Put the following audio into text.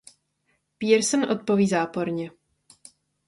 Pearson odpoví záporně.